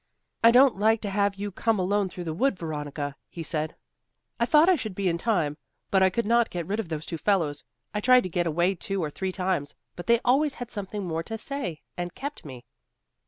"I don't like to have you come alone through the wood, Veronica," he said, "I thought I should be in time, but I could not get rid of those two fellows. I tried to get away two or three times, but they always had something more to say, and kept me."